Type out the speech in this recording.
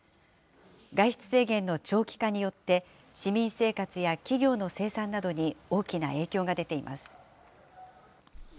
外出制限の長期化によって、市民生活や企業の生産などに大きな影響が出ています。